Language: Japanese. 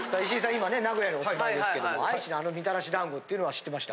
今ね名古屋にお住まいですけども愛知のあのみたらし団子っていうのは知ってました？